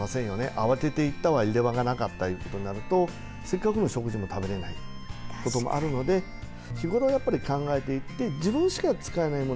慌てて行ったら入れ歯が無かったいうことになるとせっかくの食事も食べれないこともあるので日頃やっぱり考えていって自分しか使わないもの